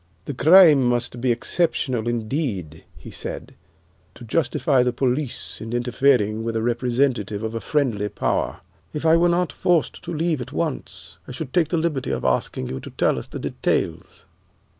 "The crime must be exceptional indeed," he said, "to justify the police in interfering with a representative of a friendly power. If I were not forced to leave at once, I should take the liberty of asking you to tell us the details."